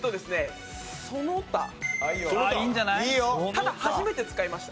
ただ初めて使いました。